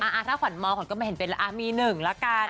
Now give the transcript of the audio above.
อ่าถ้าขวัญมองก็ไม่เห็นเป็นแล้วอ่ามีหนึ่งละกัน